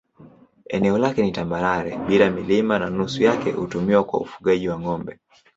Eneo lake ni tambarare bila milima na nusu yake hutumiwa kwa ufugaji wa ng'ombe.